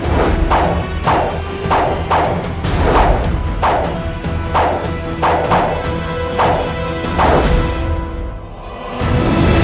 tidak ada yang bisa dicapai